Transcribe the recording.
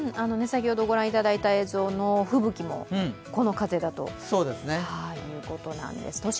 先ほどご覧いただいた映像の吹雪もこの風だということなんです。